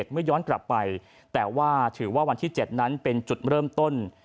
เมื่อย้อนกลับไปแต่ว่าถือว่าวันที่๗นั้นเป็นจุดเริ่มต้น